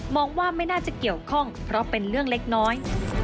ว่าไม่น่าจะเกี่ยวข้องเพราะเป็นเรื่องเล็กน้อย